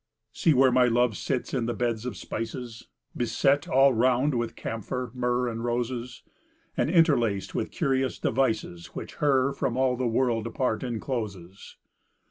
See where my love sits in the beds of spices, Beset all round with camphor, myrrh, and roses, And interlaced with curious devices, Which her from all the world apart incloses.